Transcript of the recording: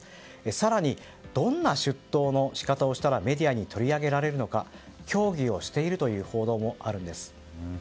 更にどんな出頭の仕方をしたらメディアに取り上げられるのか協議をしているという報道もあるんです。